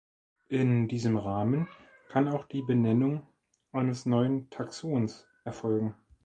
In diesem Rahmen kann auch die Benennung eines neuen Taxons erfolgen.